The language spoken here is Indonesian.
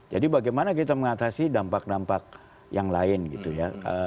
jadi bagaimana kita mengatasi dampak dampak yang lain gitu ya